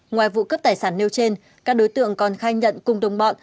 ngoài vụ cấp tài sản nêu trên các đối tượng còn khai nhận cùng đồng bọn